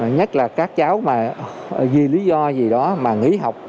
nhất là các cháu mà vì lý do gì đó mà nghỉ học